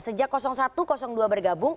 sejak satu dua bergabung